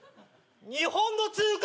日本の通貨。